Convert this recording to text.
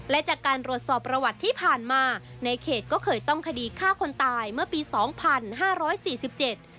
และจากการตรวจสอบประวัติที่ผ่านมาในเขตก็เคยต้องคดีฆ่าคนตายเมื่อปีสองพันห้าร้อยสี่สิบเจ็ด